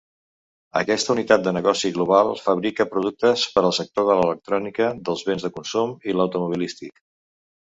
Aquesta Unitat de Negoci Global fabrica productes per al sector de l'electrònica, dels bens de consum i automobilístic.